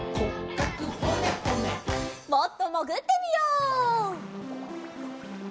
もっともぐってみよう。